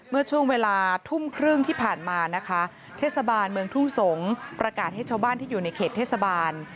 เมื่อช่วงเวลาทุ่มครึ่งที่ผ่านมานะคะเทศบาลเมืองทุ่งสงศ์ประกาศให้ชาวบ้านที่อยู่ในเขตเทศบาล